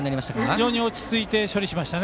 非常に落ち着いて処理しました。